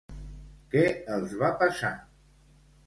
Què els va passar?